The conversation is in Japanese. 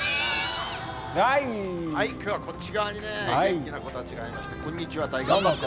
きょうはこっち側にね、元気な子たちが来て、こんにちは。